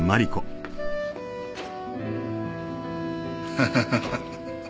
ハハハハ。